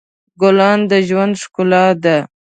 ګلان د ژوند ښکلا ده.